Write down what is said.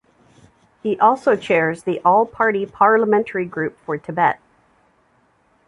He also chairs the All-Party Parliamentary Group for Tibet.